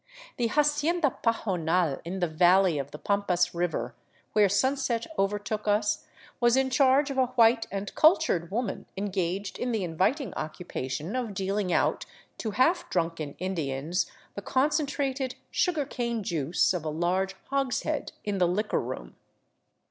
The "Hacienda Pajo nal," in the valley of the Pampas river where sunset overtook us, was in charge of a white and cultured woman engaged in the inviting occupation of dealing out to half drunken Indians the concentrated sugar cane juice of a large hogshead in the liquor room.